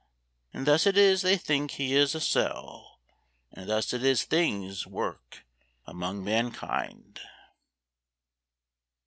And thus it is they think he is a sell, And thus it is things work among mankind.